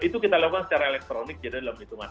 itu kita lakukan secara elektronik jadi dalam hitungan